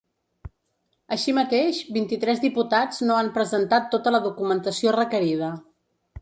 Així mateix, vint-i-tres diputats no han presentat tota la documentació requerida.